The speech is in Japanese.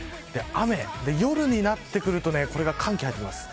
夜になってくると寒気が入ってきます。